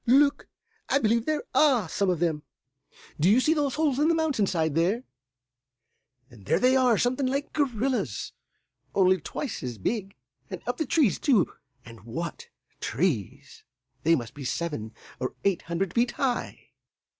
Look! I believe there are some of them. Do you see those holes in the mountain side there? And there they are, something like gorillas, only twice as big, and up the trees, too and what trees! They must be seven or eight hundred feet high."